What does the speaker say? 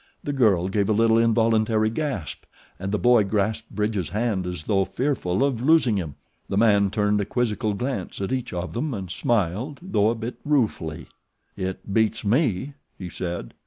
The girl gave a little, involuntary gasp, and the boy grasped Bridge's hand as though fearful of losing him. The man turned a quizzical glance at each of them and smiled, though a bit ruefully. "It beats me," he said.